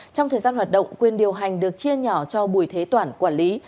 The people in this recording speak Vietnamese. trong thời gian hoạt động quyền điều hành được chia nhỏ cho bùi thế toản quản lý